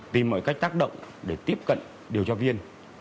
tìm mọi cách tác động để tiếp cận điều tra viên